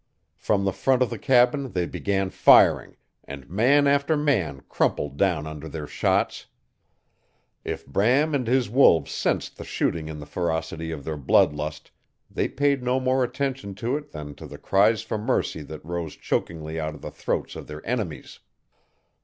Prom the front of the cabin they began firing, and man after man crumpled down under their shots. If Bram and his wolves sensed the shooting in the ferocity of their blood lust they paid no more attention to it than to the cries for mercy that rose chokingly out of the throats of their enemies.